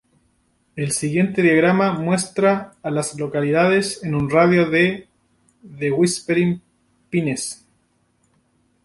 El siguiente diagrama muestra a las localidades en un radio de de Whispering Pines.